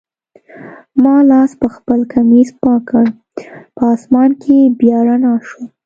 ما لاس پخپل کمیس پاک کړ، په آسمان کي بیا رڼا شول.